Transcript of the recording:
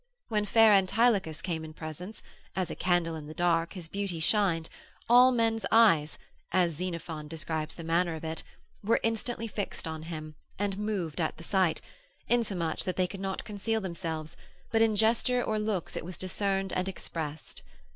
When fair Antilochus came in presence, as a candle in the dark his beauty shined, all men's eyes (as Xenophon describes the manner of it) were instantly fixed on him, and moved at the sight, insomuch that they could not conceal themselves, but in gesture or looks it was discerned and expressed.